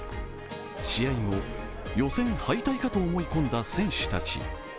試合後、予選敗退かと思い込んだ選手たち。